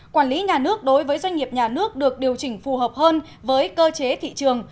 quản lý nhà nước đối với doanh nghiệp nhà nước được điều chỉnh phù hợp hơn với cơ chế thị trường